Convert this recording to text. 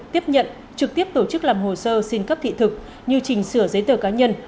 tiếp nhận trực tiếp tổ chức làm hồ sơ xin cấp thị thực như trình sửa giấy tờ cá nhân